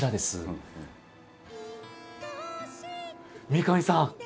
三上さん